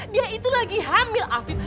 dia itu lagi hamil afif